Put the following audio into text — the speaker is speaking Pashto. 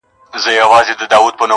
ما یې لمن کي اولسونه غوښتل-